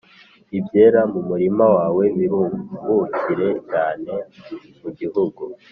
ibyera mu murima wawe birumbukire cyane+ mu gihugu